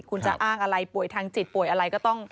คุณจะอ้างอะไรป่วยทางจิตป่วยอะไรก็ต้อง